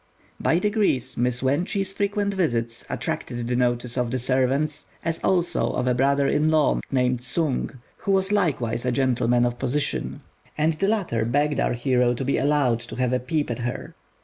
By degrees Miss Wên chi's frequent visits attracted the notice of the servants, as also of a brother in law named Sung, who was likewise a gentleman of position; and the latter begged our hero to be allowed to have a peep at her.